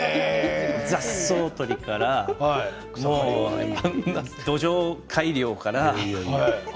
雑草取りから土壌改良から。